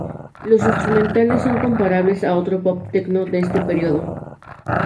Los instrumentales son comparables a otro pop techno de este periodo.